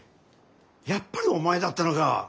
やっぱりお前だったのか。